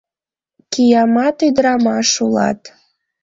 — Киямат ӱдырамаш улат!